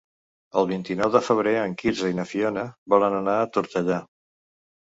El vint-i-nou de febrer en Quirze i na Fiona volen anar a Tortellà.